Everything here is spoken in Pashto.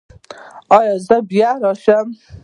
ایا زه بیا راشم؟